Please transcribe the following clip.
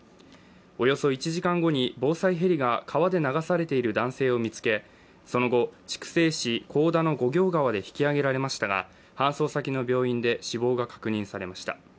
およそ１時間後に、防災ヘリが川で流されている男性を見つけその後、筑西市国府田の五行川で引き上げられましたが、搬送先の病院で死亡が確認されました。